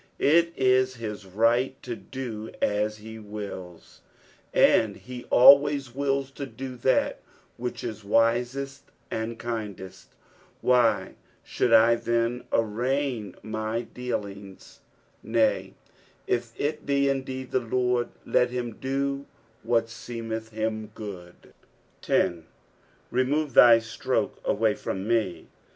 It is his right to do as ne wills, and he always wills to do that which is wisest and kindest ; why should 1 then arraign his deal ings f Nay, if it be indeed the Lord, let him do what seemeth him good. 10. " Semoce thy stroke /iway /ram wie."